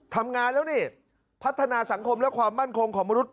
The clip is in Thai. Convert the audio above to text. ทำงานแล้วนี่พัฒนาสังคมและความมั่นคงของมนุษย